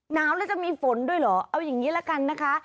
หนาวแล้วจะมีฝนด้วยเหรอเอาอย่างนี้ละกันนะคะ